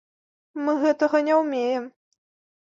Мы гэтага не ўмеем.